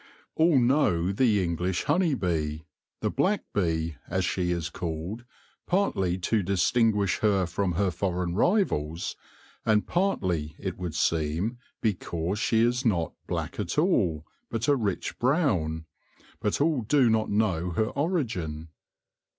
All know the English honey bee — the Black Bee, as she is called, partly to distinguish her from her foreign rivals, and partly, it would seem, because she is not black at all, but a rich brown — but all do not know her origin.